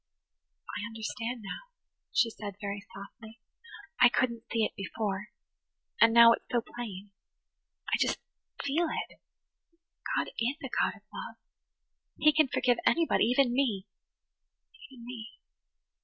"I understand now," she said very softly. "I couldn't see it before–and now it's so plain. I just feel it. God is a God of love. He can forgive anybody–even me–even me.